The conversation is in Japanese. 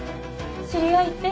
知り合いって？